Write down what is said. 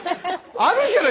あるじゃない！